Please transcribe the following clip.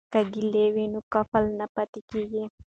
که کیلي وي نو قفل نه پاتیږي.